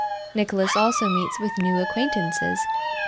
Nicholas also meets with new Acquaintances.